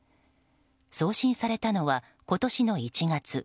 送信されたのは、今年の１月。